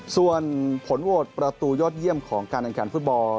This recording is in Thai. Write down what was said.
ส่วนผลโหวตประตูยอดเยี่ยมของการแข่งขันฟุตบอล